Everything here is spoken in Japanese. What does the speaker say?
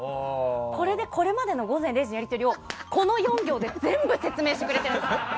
これでこれまでの「午前０時の森」のやり取りを、この４行で全部説明してくれてるんです。